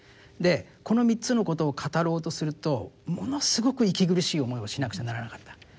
この３つのことを語ろうとするとものすごく息苦しい思いをしなくちゃならなかった。